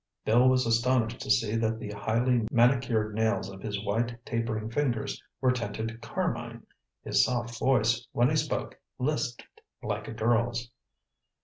Bill was astonished to see that the highly manicured nails of his white, tapering fingers were tinted carmine. His soft voice when he spoke lisped like a girl's.